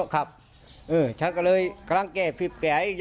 ค่อยเอารถมาคืน